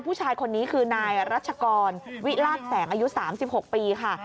ผู้ชายคนนี้คือนายรัชกรวิราชแสงอายุ๓๖ปีค่ะ